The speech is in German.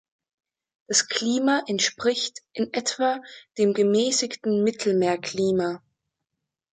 Das Klima entspricht in etwa dem gemäßigten Mittelmeerklima.